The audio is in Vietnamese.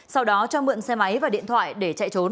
sau đó cho mượn xe máy và điện thoại để chạy trốn